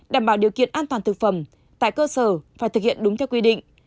đảm bảo điều kiện an toàn thực phẩm tại cơ sở phải thực hiện đúng theo quy định